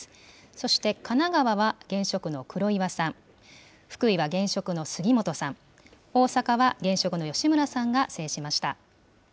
そして、神奈川は現職の黒岩さん、福井は現職の杉本さん、大阪は現職の吉村さんが制しました。